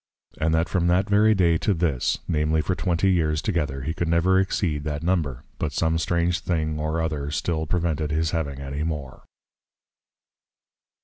_ And that from that very day to this, namely for twenty years together, he could never exceed that number; but some strange thing or other still prevented his having any more.